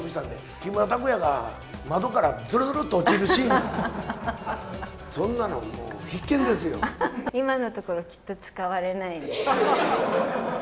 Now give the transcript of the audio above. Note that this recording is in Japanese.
木村拓哉が窓からずるずるっと落ちるシーン、そんなのもう、今のところ、きっと使われないです。